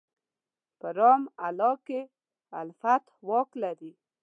په رام الله کې الفتح واک لري.